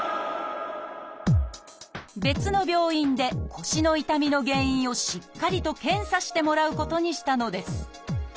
別の病院で腰の痛みの原因をしっかりと検査してもらうことにしたのです。